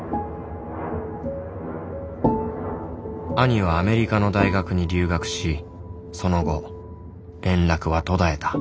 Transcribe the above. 兄はアメリカの大学に留学しその後連絡は途絶えた。